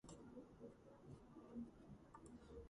ტერიტორიას ჩრდილოეთით ესაზღვრება ესპანეთი.